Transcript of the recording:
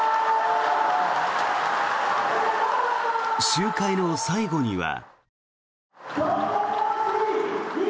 集会の最後には。